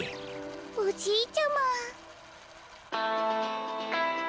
おじいちゃま。